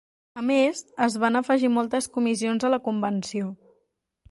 A més, es van afegir moltes comissions a la convenció.